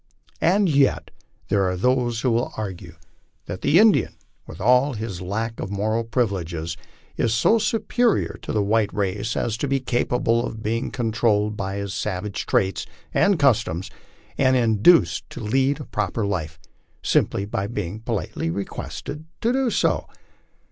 And yet there are those who argue that the Indian* with all his lack of moral privileges, is so superior to the white race as to bo capable of being controlled in his savage traits and customs, and induced to lead a proper life, simply by being politely requested to do so.